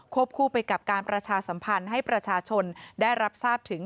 คู่ไปกับการประชาสัมพันธ์ให้ประชาชนได้รับทราบถึง